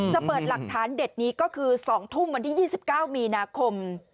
เปิดหลักฐานเด็ดนี้ก็คือ๒ทุ่มวันที่๒๙มีนาคม